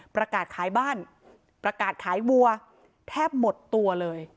ประกาศขายบ้านประกาศขายวัวแทบหมดตัวเลย